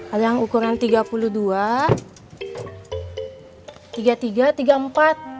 ada yang ukuran tiga puluh dua